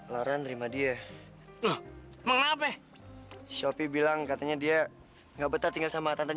laura cepet bikin minuman buat glenn